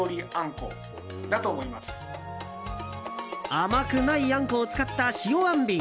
甘くないあんこを使った塩あんびん。